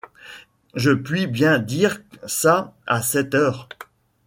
Je puis bien dire ça à cette heure.